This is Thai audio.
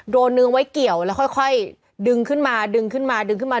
โดนนึงไว้เกี่ยวแล้วค่อยดึงขึ้นมาดึงขึ้นมาดึงขึ้นมา